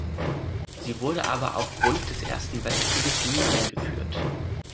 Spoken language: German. Sie wurde aber aufgrund des Ersten Weltkrieges nie eingeführt.